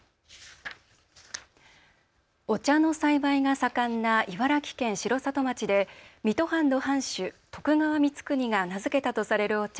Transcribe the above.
お茶の栽培が盛んな茨城県城里町で水戸藩の藩主徳川光圀が名付けたとされるお茶